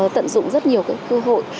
tận dụng rất nhiều cái cơ hội